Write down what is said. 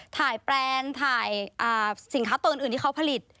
แปรนถ่ายสินค้าตัวอื่นที่เขาผลิต